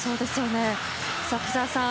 福澤さん